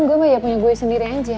gue mau bayar punya gue sendiri aja